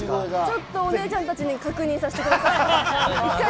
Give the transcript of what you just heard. ちょっとお姉ちゃんたちに確認させてください。